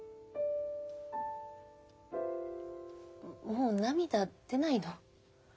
もう涙出ないの。